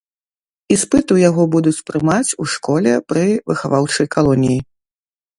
Іспыты ў яго будуць прымаць у школе пры выхаваўчай калоніі.